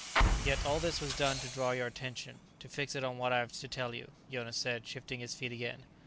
"Yet all this was done to draw your attention, to fix it on what I have to tell you," Jonas said, shifting his feet again.